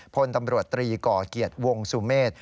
พลตำรวจตรีก่อเกียรติวงสุเมษ